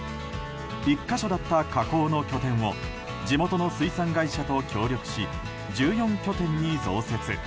１か所だった加工の拠点を地元の水産会社と協力し１４拠点に増設。